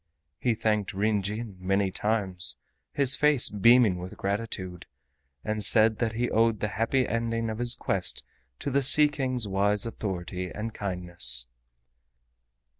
He thanked Ryn Jin many times, his face beaming with gratitude, and said that he owed the happy ending of his quest to the Sea King's wise authority and kindness.